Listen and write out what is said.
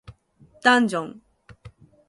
ダンジョン